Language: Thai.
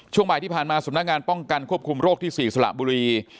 ช่วงบ่ายที่ผ่านมาสำนักงานป้องกันควบคุมโรคที่๔สระบุรี